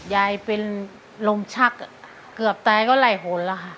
ยายเป็นลมชักเกือบแต้ก็ไหล่โหนละค่ะ